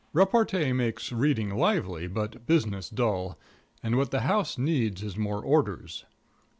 Repartee makes reading lively, but business dull. And what the house needs is more orders.